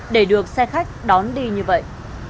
để được xe khách đón đi như vậy